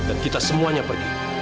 dan kita semuanya pergi